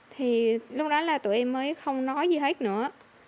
thì lúc đó là tụi em mới không nói gì hết nữa